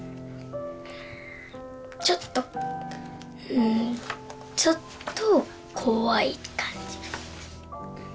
ちょっとうんちょっと怖い感じ。